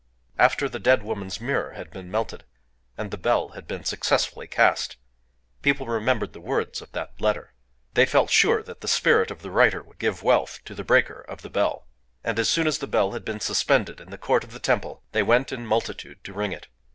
After the dead woman's mirror had been melted, and the bell had been successfully cast, people remembered the words of that letter. They felt sure that the spirit of the writer would give wealth to the breaker of the bell; and, as soon as the bell had been suspended in the court of the temple, they went in multitude to ring it.